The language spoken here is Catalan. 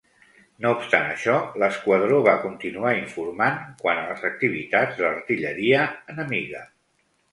No obstant això, l'esquadró va continuar informant quant a les activitats de l'artilleria enemiga.